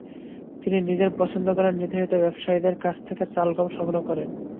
তিনি নিজের পছন্দ করা নির্ধারিত ব্যবসায়ীদের কাছ থেকে চাল-গম সংগ্রহ করেন।